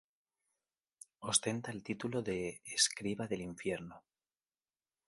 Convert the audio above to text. Ostenta el título de "Escriba del Infierno".